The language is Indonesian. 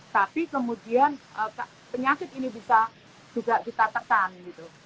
tapi kemudian penyakit ini bisa juga kita tekan gitu